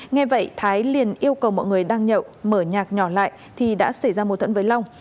nghe vậy thái liền yêu cầu mọi người đang nhậu mở nhạc nhỏ lại thì đã xảy ra mâu thuẫn với long